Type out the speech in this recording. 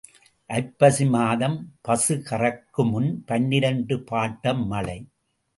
ஐப்பசி மாதம் பசு கறக்குமுன் பன்னிரண்டு பாட்டம் மழை.